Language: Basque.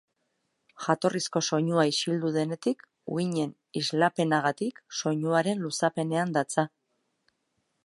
Jatorrizko soinua isildu denetik, uhinen islapenagatik, soinuaren luzapenean datza.